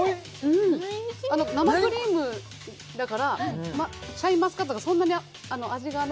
生クリームだからシャインマスカットがそんなに味がね